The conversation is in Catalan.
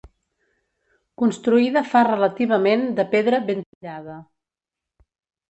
Construïda fa relativament de pedra ben tallada.